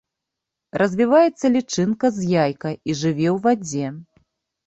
Развіваецца лічынка з яйка і жыве ў вадзе.